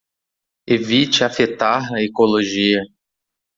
Evite afetar a ecologia